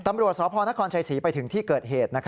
ตำรวจสพนครชัยศรีไปถึงที่เกิดเหตุ